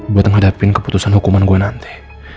buat menghadapi keputusan hukuman gue nanti